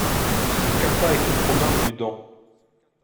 Ce kata est au programme du dan.